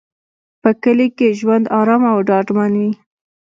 په کلي کې ژوند ارام او ډاډمن وي.